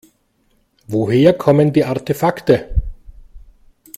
Woher kommen die Artefakte?